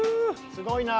すごいな。